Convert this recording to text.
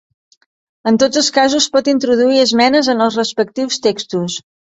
En tots els casos pot introduir esmenes en els respectius textos.